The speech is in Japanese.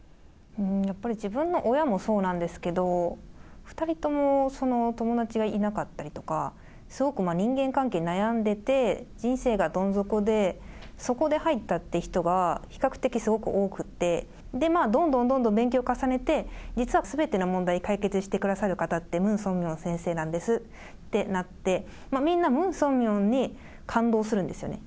やっぱり自分の親もそうなんですけど、２人とも友達がいなかったりとか、すごく人間関係に悩んでて、人生がどん底で、そこで入ったって人が比較的、すごく多くて、どんどんどんどん勉強重ねて、実はすべての問題を解決してくださる方って、ムン・ソンミョン先生なんですってなって、みんなムン・ソンミョンに感動するんですよね。